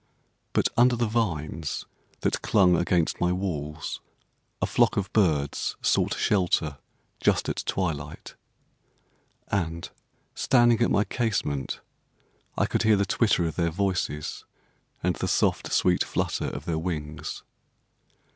But under the vines that clung against my walls, a flock of birds sought shelter just at twilight; And, standing at my casement, I could hear the twitter of their voices and the soft, sweet flutter of their wings.